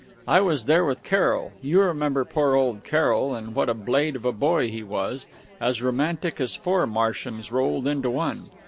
I was there with Carroll you remember poor old Carroll and what a blade of a boy he was as romantic as four Marshams rolled into one.